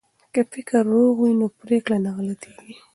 که فکر روغ وي نو پریکړه نه غلطیږي.